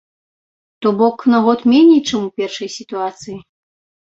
То бок на год меней, чым у першай сітуацыі.